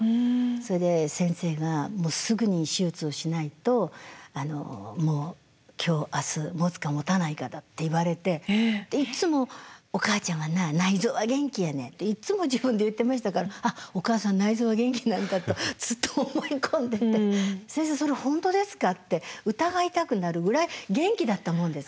それで先生が「もうすぐに手術をしないともう今日明日もつかもたないかだ」って言われていつも「おかあちゃんはな内臓は元気やねん」っていっつも自分で言ってましたから「あっお母さん内臓は元気なんだ」とずっと思い込んでて「先生それ本当ですか？」って疑いたくなるぐらい元気だったもんですから。